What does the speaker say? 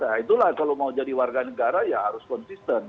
nah itulah kalau mau jadi warga negara ya harus konsisten